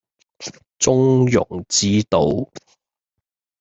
中庸之道